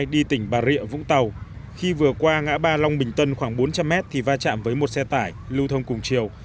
đi tỉnh bà rịa vũng tàu khi vừa qua ngã ba long bình tân khoảng bốn trăm linh mét thì va chạm với một xe tải lưu thông cùng chiều